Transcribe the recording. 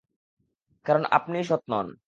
কারণ, আপনিই সৎ নন।